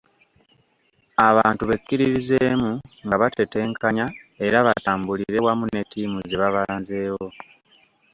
Abantu bekkiririzeemu nga batetenkanya ate batambulire wamu ne ttiimu ze babanzeewo.